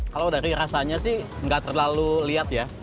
kalau dari rasanya sih nggak terlalu lihat ya